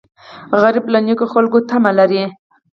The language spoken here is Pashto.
غریب له نیکو خلکو تمه لري